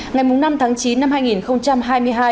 ngày năm tháng chín năm hai nghìn hai mươi hai